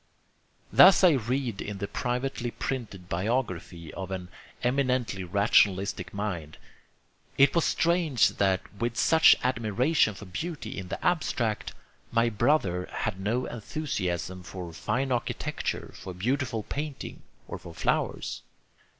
Thus I read in the privately printed biography of an eminently rationalistic mind: "It was strange that with such admiration for beauty in the abstract, my brother had no enthusiasm for fine architecture, for beautiful painting, or for flowers."